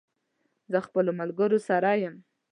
زه خپلو ملګرو سره یم